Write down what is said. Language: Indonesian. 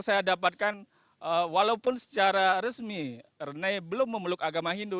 saya dapatkan walaupun secara resmi rene belum memeluk agama hindu